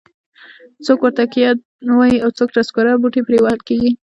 څوک ورته کیه وایي او څوک ټسکوره. بوټي پرې وهل کېږي.